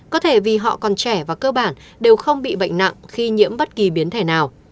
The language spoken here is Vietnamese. có thể vì họ còn trẻ và cơ bản đều không bị bệnh nặng khi nhiễm bất kỳ biến thể nào